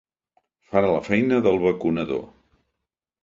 Farà la feina del vacunador.